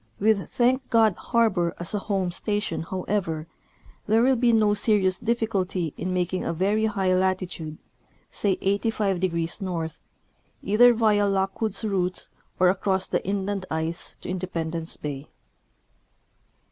AVith Thank God harbor as a home station, however, there will be no serious diflficulty in making a very high latitude, say 85° N., either via Lockwood's route or across the inland ice to Independence bay.